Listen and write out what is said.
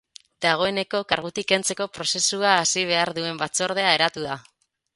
Dagoeneko kargutik kentzeko prozesua hasi behar duen batzordea eratu da.